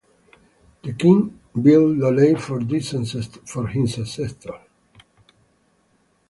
The king build Lolei for his ancestors.